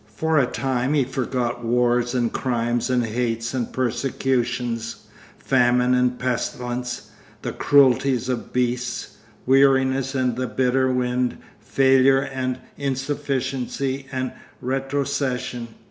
For a time he forgot wars and crimes and hates and persecutions, famine and pestilence, the cruelties of beasts, weariness and the bitter wind, failure and insufficiency and retrocession.